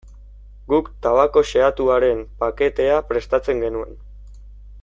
Guk tabako xehatuaren paketea prestatzen genuen.